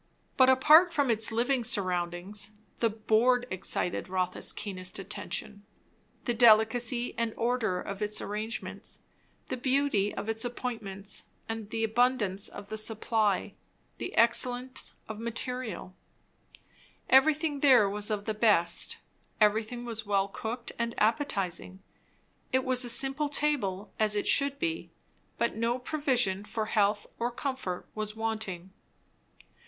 But apart from its living surroundings, the board excited Rotha's keenest attention. The delicacy and order of its arrangements, the beauty of its appointments, the abundance of the supply, the excellence of the material. Everything there was of the best; everything was well cooked and appetizing; it was a simple table, as it should be, but no provision for health or comfort was wanting.